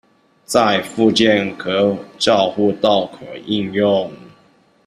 在復健及照護都可應用